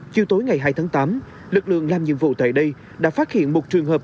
chiều tối ngày hai tháng tám lực lượng làm nhiệm vụ tại đây đã phát hiện một trường hợp